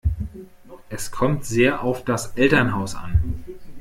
Es kommt sehr auf das Elternhaus an.